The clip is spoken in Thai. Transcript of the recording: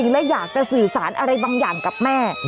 และอยากจะสื่อสารอะไรบางอย่างกับแม่